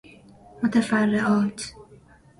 متفرعات